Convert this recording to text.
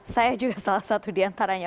saya juga salah satu di antaranya